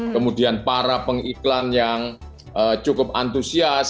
kemudian para pengiklan yang cukup antusias